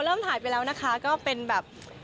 เธอเริ่มถ่ายไปแล้วนะคะ